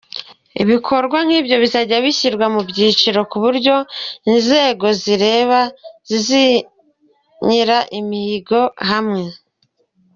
Ibikorwa nk’ ibyo bizajya bishyirwa mu byiciro, ku buryo inzego bireba zisinyira imihigo hamwe.